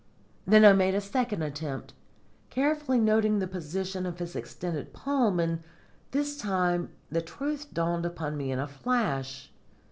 Then I made a second attempt, carefully noting the position of his extended palm, and this time the truth dawned upon me in a flash.